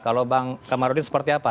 kalau bang kamarudin seperti apa